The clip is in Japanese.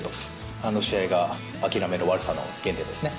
あの試合が諦めの悪さの原点ですね。